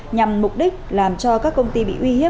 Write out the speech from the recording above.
nhằm mục đích làm cho các công ty bị uy hiếp